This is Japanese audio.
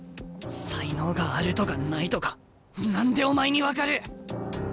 才能があるとかないとか何でお前に分かる見とけ！